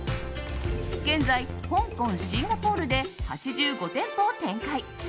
現在、香港、シンガポールで８５店舗を展開。